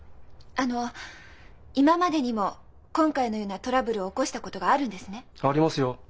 あの今までにも今回のようなトラブルを起こしたことがあるんですね？ありますよ。